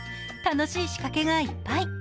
楽しい仕掛けがいっぱい。